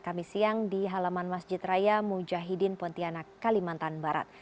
kami siang di halaman masjid raya mujahidin pontianak kalimantan barat